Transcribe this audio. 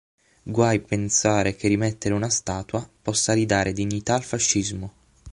Guai a pensare che rimettere una statua possa ridare dignità al fascismo.